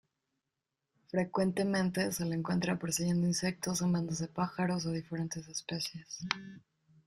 Frecuentemente se le encuentra persiguiendo insectos en bandas de pájaros de diferentes especies.